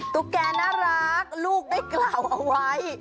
ตุ๊กแกน่ารักลูกได้กล่าวเอาไว้